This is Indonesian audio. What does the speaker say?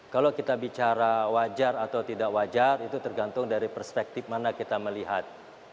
kalau kita bicara wajar atau tidak wajar itu tergantung dari perspektif mana kita melihat